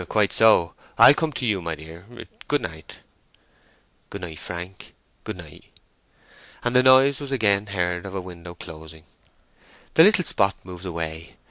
"Quite, so. I'll come to you, my dear. Good night." "Good night, Frank—good night!" And the noise was again heard of a window closing. The little spot moved away.